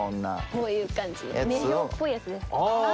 こういう感じ女豹っぽいやつです。